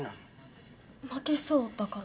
負けそうだから？